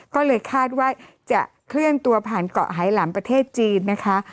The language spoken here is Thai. ก็เลยคาดว่าจะเคลื่อนตัวผ่านเกาะไฮลำประเทศจีนนะคะ